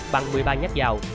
bằng một mươi ba nhát dào